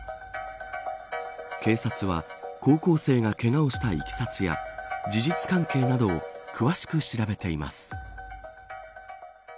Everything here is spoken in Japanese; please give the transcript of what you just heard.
警察は高校生がけがをしたいきさつや事実関係などを詳しく調べています。